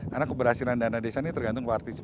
karena keberhasilan dana desanya tergantung partisipasi